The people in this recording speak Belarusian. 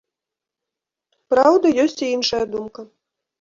Праўда, ёсць і іншая думка.